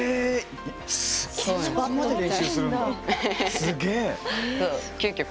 すげえ！